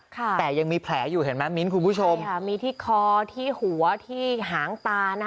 แต่ยังมีแผลอยู่เห็นไหมมิ้นคุณผู้ชมค่ะมีที่คอที่หัวที่หางตานะคะ